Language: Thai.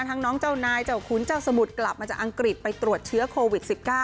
น้องเจ้านายเจ้าขุนเจ้าสมุทรกลับมาจากอังกฤษไปตรวจเชื้อโควิด๑๙